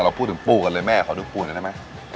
พูดถึงปูกันเลยแม่ขอดูปูหน่อยได้ไหม